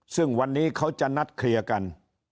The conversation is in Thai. ซึ่งวันนี้เขาจะนัดเคลียร์กัน